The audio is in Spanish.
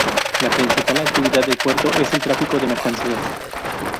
La principal actividad del puerto es el tráfico de mercancías.